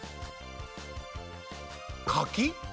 柿？